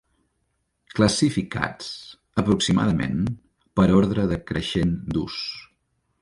Classificats, aproximadament, per ordre decreixent d'ús.